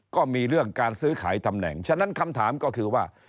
ก็มีเรื่องการซื้อขายตำแหน่งฉะนั้นคำถามก็คือว่า